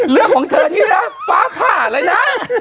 เรื่องของเธอนี้นะป๊าผ่าเลยนะ